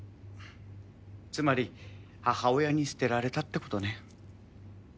つまり母親に捨てられたってことね。